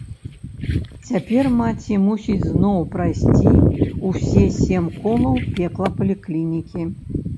Цяпер маці мусіць зноў прайсці ўсе сем колаў пекла паліклінікі.